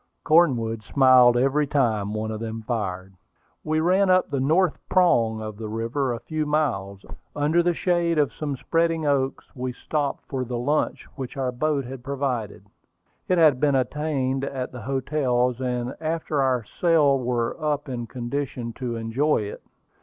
Cornwood smiled every time one of them fired. We ran up the "North Prong" of the river a few miles. Under the shade of some spreading oaks we stopped for the lunch which our host had provided. It had been obtained at the hotels, and after our sail we were in condition to enjoy it.